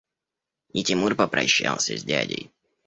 И Тимур попрощался с дядей.